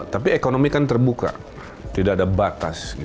tapi ekonomi kan terbuka tidak ada batas